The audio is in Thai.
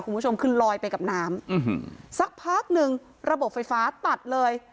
คุณผู้ชมคือลอยไปกับน้ำสักพักหนึ่งระบบไฟฟ้าตัดเลย